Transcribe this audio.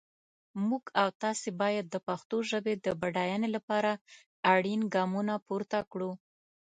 موږ او تاسي باید د پښتو ژپې د بډاینې لپاره اړین ګامونه پورته کړو.